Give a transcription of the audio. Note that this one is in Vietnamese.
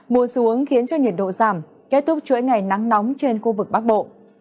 mùa xuống khiến cho nhiệt độ giảm kết thúc chuỗi ngày nắng nóng trên khu vực bắc bộ